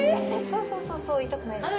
そうそうそう痛くない。